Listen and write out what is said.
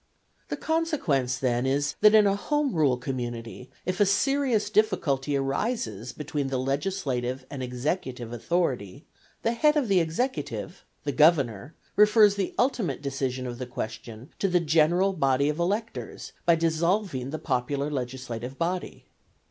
The consequence then is, that in a home rule community, if a serious difficulty arises between the legislative and executive authority, the head of the executive, the governor, refers the ultimate decision of the question to the general body of electors by dissolving the popular legislative body.